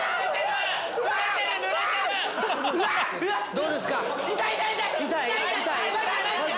どうですか？